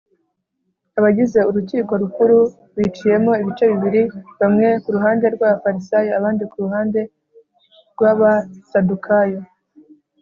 abagize urukiko rukuru biciyemo ibice bibiri, bamwe ku ruhande rw’abafarisayo abandi ku ruhande rw’abasadukayo